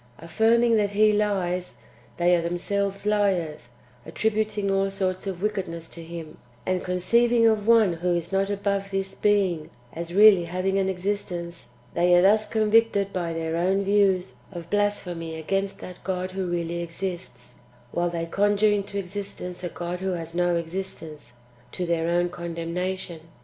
"^ Affirming that He lies, they are themselves liars, attributing all sorts of wickedness to Him; and con ceiving of one who is not above this Being as really having an existence, they are thus convicted by their own views of blasphemy against that God who really exists, while they conjure into existence a God who has no existence, to their own condemnation.